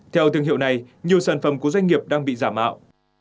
theo thương hiệu này nhiều sản phẩm của doanh nghiệp đang bị giảm mạo